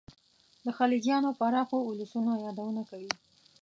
د خلجیانو پراخو اولسونو یادونه کوي.